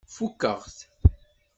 Fukeɣ-t.